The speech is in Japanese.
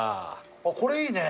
あっこれいいね。